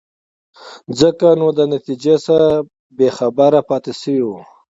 ځکه نو د نتیجې څخه بې خبره پاتې شوی وو.